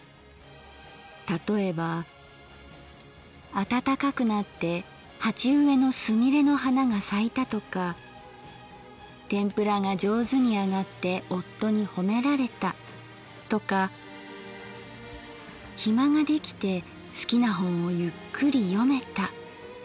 例えば暖かくなって鉢植のすみれの花が咲いたとかてんぷらが上手に揚がって夫にほめられたとか暇ができて好きな本をゆっくり読めたなどなど。